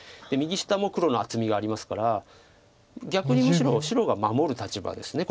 右下も黒の厚みがありますから逆にむしろ白が守る立場です